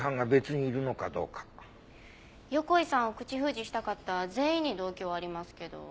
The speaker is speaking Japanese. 横井さんを口封じしたかった全員に動機はありますけど。